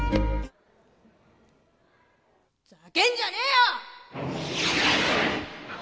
ざけんじゃねえよ！